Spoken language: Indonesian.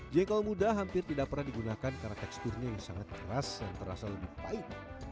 jengkol muda hampir tidak pernah digunakan karena teksturnya yang sangat keras dan terasa lebih pahit